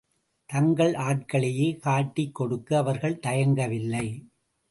தங்கள் ஆட்களையே காட்டிக் கொடுக்க அவர்கள் தயங்கவில்லை.